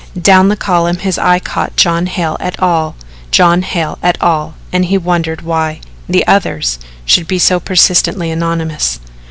Down the column his eye caught John Hale et al. John Hale et al., and he wondered why "the others" should be so persistently anonymous.